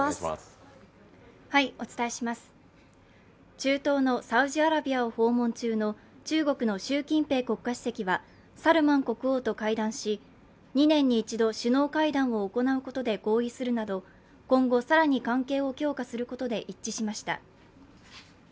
中東のサウジアラビアを訪問中の中国の習近平国家主席はサルマン国王と会談し２年に一度、首脳会談を行うことで合意するなど今後更に関係を強化することで一致しました。